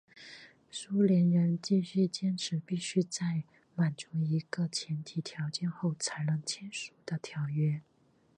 苏联人继续坚持必须在满足一个前提条件后才能签署条约。